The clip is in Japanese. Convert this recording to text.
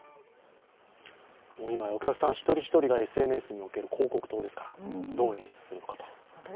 今、お客さん１人１人がＳＮＳにおける広告塔ですから、どう演出するのかと。